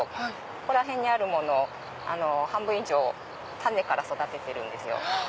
ここら辺にあるもの半分以上種から育ててるんですよ。